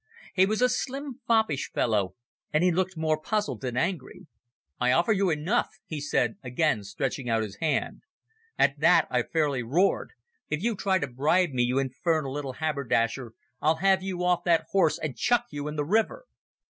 He was a slim, foppish fellow, and he looked more puzzled than angry. "I offer you enough," he said, again stretching out his hand. At that I fairly roared. "If you try to bribe me, you infernal little haberdasher, I'll have you off that horse and chuck you in the river."